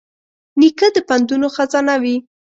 نیکه د پندونو خزانه وي.